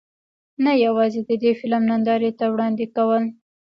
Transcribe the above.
نۀ يواځې د دې فلم نندارې ته وړاندې کول